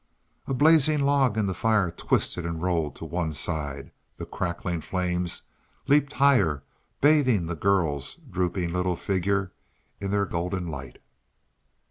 A blazing log in the fire twisted and rolled to one side; the crackling flames leaped higher, bathing the girl's drooping little figure in their golden light.